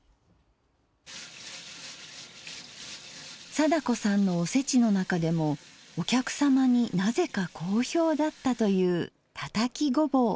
貞子さんのおせちの中でもお客様になぜか好評だったというたたきごぼう。